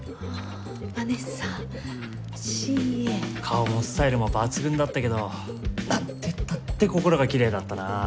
顔もスタイルも抜群だったけどなんてったって心がきれいだったな。